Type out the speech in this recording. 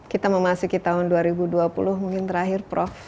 kita memasuki tahun dua ribu dua puluh mungkin terakhir prof